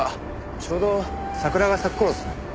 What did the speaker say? ちょうど桜が咲く頃ですね。